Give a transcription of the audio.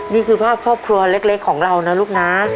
นี่คือภาพครอบครัวเล็กของเรานะลูกนะ